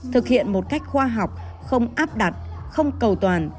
thực hiện một cách khoa học không áp đặt không cầu toàn